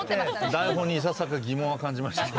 台本にいささか疑問は感じました。